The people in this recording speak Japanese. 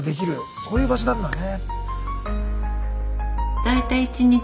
そういう場所なんだね。